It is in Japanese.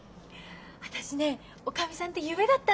私ねおかみさんって夢だったの。